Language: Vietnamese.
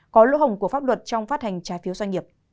có lỗ hồng của pháp luật trong phát hành trái phiếu doanh nghiệp